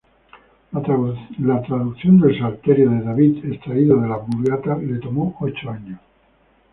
La traducción del Salterio de David, extraído de la "Vulgata", le tomó ocho años.